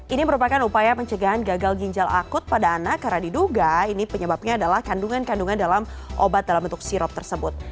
ini merupakan upaya pencegahan gagal ginjal akut pada anak karena diduga ini penyebabnya adalah kandungan kandungan dalam obat dalam bentuk sirop tersebut